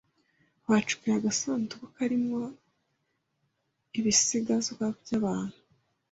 Bacukuye agasanduku karimo ibisigazwa byabantu.